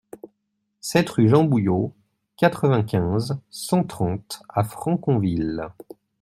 sept rue Jean Bouillot, quatre-vingt-quinze, cent trente à Franconville